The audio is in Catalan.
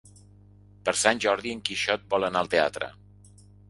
Per Sant Jordi en Quixot vol anar al teatre.